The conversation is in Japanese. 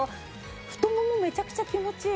太ももめちゃくちゃ気持ちいい。